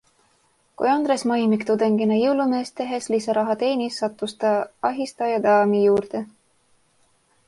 Kui Andres Maimik tudengina jõulumeest tehes lisaraha teenis, sattus ta ahistajadaami juurde.